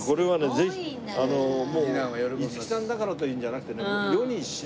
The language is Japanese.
ぜひ五木さんだからというんじゃなくてね